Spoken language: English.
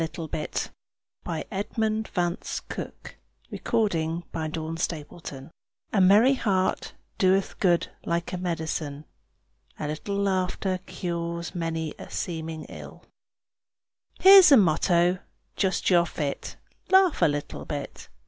[Illustration: EDMUND VANCE COOKE] LAUGH A LITTLE BIT "A merry heart doeth good like a medicine"; a little laughter cures many a seeming ill. Here's a motto, just your fit Laugh a little bit.